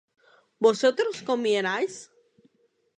¿vosotros comierais?